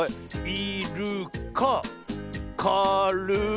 い・る・かか・る・い。